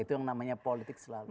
itu yang namanya politik selalu